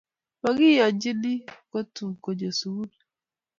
makiyonchi kotu kunyo sukul